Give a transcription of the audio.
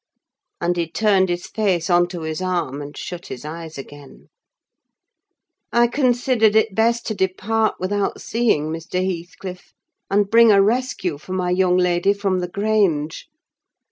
And he turned his face on to his arm, and shut his eyes again. I considered it best to depart without seeing Mr. Heathcliff, and bring a rescue for my young lady from the Grange.